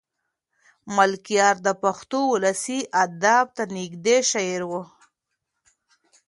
ملکیار د پښتو ولسي ادب ته نږدې شاعر و.